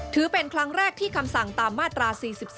ถือเป็นครั้งแรกที่คำสั่งตามมาตรา๔๔